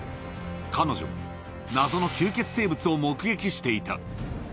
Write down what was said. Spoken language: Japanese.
彼女も謎の吸血生物を目撃していた。